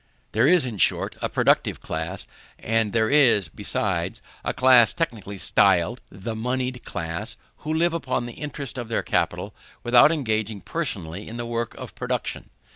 There is, in short, a productive class, and there is, besides, a class technically styled the monied class, who live upon the interest of their capital, without engaging personally in the work of production.